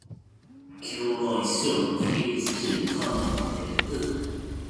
Kilroy-Silk refused to comment on it.